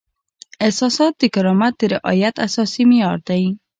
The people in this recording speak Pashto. احساسات د کرامت د رعایت اساسي معیار دی.